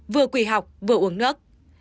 vừa quỳ học vừa uống nước